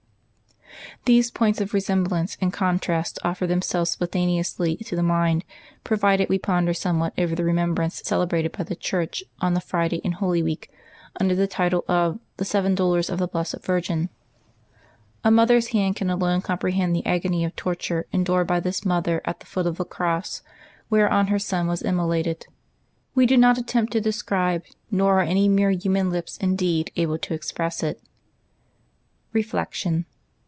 These points of resemblance and contrast offer themselves spontaneously to the mind, provided we ponder somewhat over the remembrance celebrated by the Church on the Friday in Holy Week, under the title of " The Seven Dolors of the Blessed Virgin." A mother's heart can alone com prehend the agony of torture endured by this Mother at the LIVES OF TEE SAINTS 9 foot of the cross whereon her Son was immolated; we do not attempt to describe, nor are any mere human lips, indeed, able to express it. Reflection.